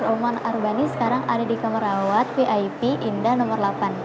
roman arbani sekarang ada di kamar rawat vip indah nomor delapan